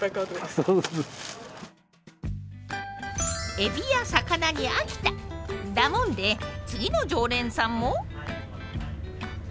えびや魚に飽きただもんで次の常連さんも。